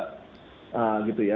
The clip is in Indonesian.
hmm gitu ya